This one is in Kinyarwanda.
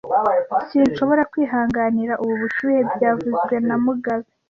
Sinshobora kwihanganira ubu bushyuhe byavuzwe na mugabe